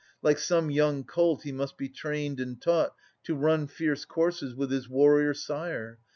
Like some young colt he must be trained and taught To run fierce courses with his warrior sire.